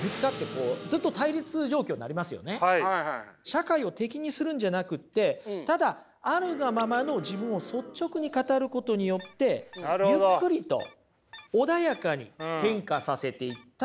社会を敵にするんじゃなくってただあるがままの自分を率直に語ることによってゆっくりと穏やかに変化させていったということなんですね。